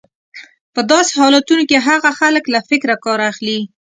په داسې حالتونو کې هغه خلک له فکره کار اخلي.